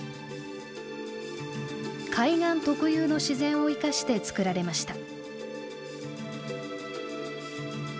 海岸特有の自然を生かしてつくられました。